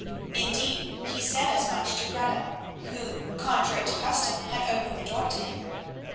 Indeed he said as much to Greta, who, contrary to custom, had opened the door to him.